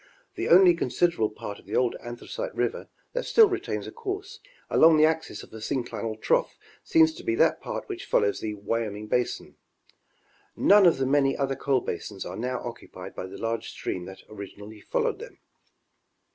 The only considerable part of the old Anthracite river that still re tains a course along the axis of a synclinal trough seems to be that part which follows the Wyoming basin ; none of the many other The Rivers and Valleys of Pennsylvania. 23Y coal basins are now occupied by the large stream that originally followed them.